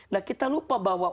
nah kita lupa bahwa